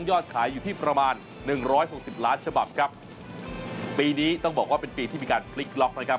ยอดขายอยู่ที่ประมาณหนึ่งร้อยหกสิบล้านฉบับครับปีนี้ต้องบอกว่าเป็นปีที่มีการพลิกล็อกนะครับ